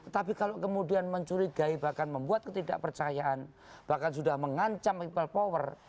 tapi kalau kemudian mencurigai bahkan membuat ketidakpercayaan bahkan sudah mengancam people power